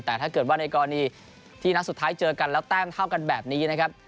แต่ถ้าเกิดว่าในกรณีที่นัดสุดท้ายเจอกันแล้วแต้มเท่ากันแบบนี้นะครับ